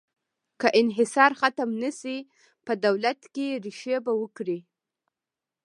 که انحصار ختم نه شي، په دولت کې ریښې به وکړي.